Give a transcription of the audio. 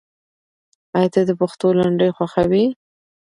آیا ته د پښتو لنډۍ خوښوې؟